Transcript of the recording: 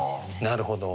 なるほど。